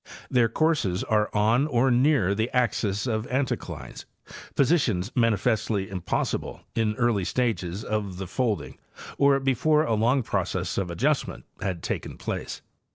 Their courses are on or near the axes of anticlines, positions manifestly impossible in early stages of the folding or before a long process of adjustment had taken place.